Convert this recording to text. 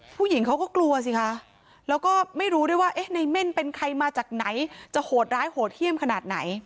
ผู้หญิงเขาก็กลัวสิคะแล้วก็ไม่รู้ด้วยว่าเอ๊ะในเม่นเป็นใครมาจากไหนจะโหดร้ายโหดเยี่ยมขนาดไหน